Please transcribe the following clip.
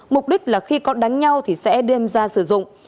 mục đích là khi có đánh nhau thì sẽ đem ra sử dụng